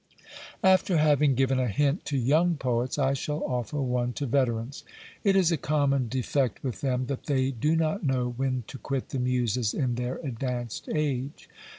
After having given a hint to young poets, I shall offer one to veterans. It is a common defect with them that they do not know when to quit the muses in their advanced age.